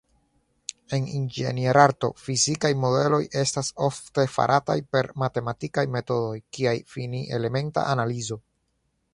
En inĝenierarto, fizikaj modeloj estas ofte farataj per matematikaj metodoj kiaj fini-elementa analizo.